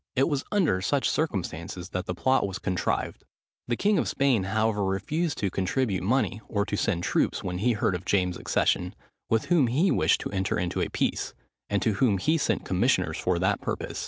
It was under such circumstances that the plot was contrived. The king of Spain, however, refused to contribute money or to send troops when he heard of James's accession, with whom he wished to enter into a peace, and to whom he sent commissioners for that purpose.